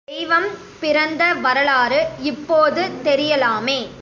தெய்வம் பிறந்த வரலாறு இப்போது தெரியலாமே!